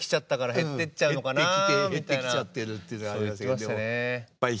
減ってきちゃってるっていうのがありましたけど。